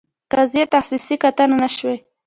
قضیې تخصصي کتنه نه شوې.